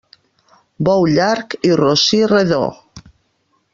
Bou llarg i rossí redó.